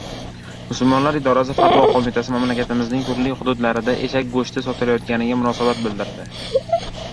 Musulmonlar idorasi Fatvo qo‘mitasi mamlakatimizning turli hududlarida eshak go‘shti sotilayotganiga munosabat bildirdi.